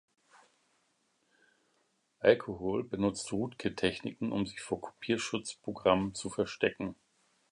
Alcohol benutzt Rootkit-Techniken, um sich vor Kopierschutz-Programmen zu verstecken.